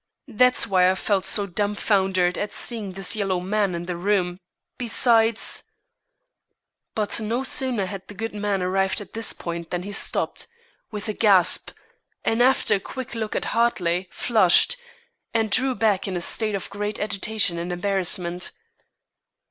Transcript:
That's why I felt so dumbfoundered at seeing this yellow man in the room; besides " But no sooner had the good man arrived at this point than he stopped, with a gasp, and after a quick look at Hartley, flushed, and drew back in a state of great agitation and embarrassment.